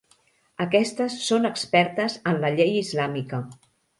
Aquestes són expertes en la llei islàmica.